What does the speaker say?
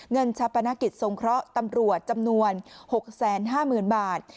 ชาปนกิจทรงเคราะห์ตำรวจจำนวน๖๕๐๐๐บาท